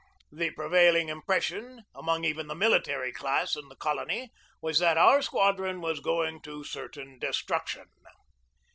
The prevailing impression among even the military class in the colony was that our squadron was going to certain destruction.